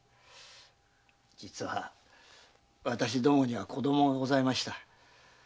実は私どもには子供がございました。